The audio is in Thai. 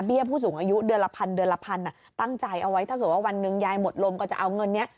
ผู้สูงอายุเดือนละพันเดือนละพันตั้งใจเอาไว้ถ้าเกิดว่าวันหนึ่งยายหมดลมก็จะเอาเงินนี้